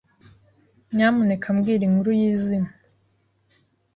Nyamuneka mbwira inkuru yizimu.